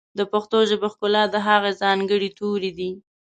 د پښتو ژبې ښکلا د هغې ځانګړي توري دي.